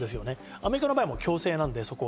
アメリカの場合、強制なので。